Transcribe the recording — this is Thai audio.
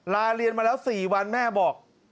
ลาเรียนมาแล้ว๔วันแม่บอก